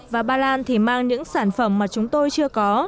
và ba lan thì mang những sản phẩm mà chúng tôi chưa có